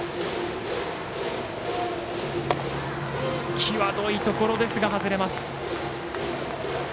際どいところですが外れます。